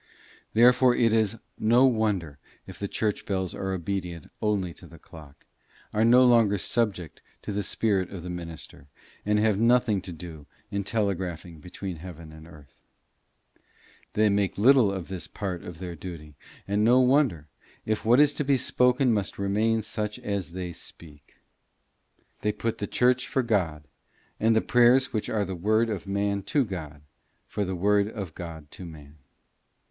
Therefore it is no wonder if the church bells are obedient only to the clock, are no longer subject to the spirit of the minister, and have nothing to do in telegraphing between heaven and earth. They make little of this part of their duty; and no wonder, if what is to be spoken must remain such as they speak. They put the Church for God, and the prayers which are the word of man to God, for the word of God to man.